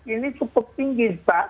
ini cukup tinggi mbak